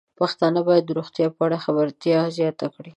پښتانه بايد د روغتیا په اړه خبرتیا زياته کړي.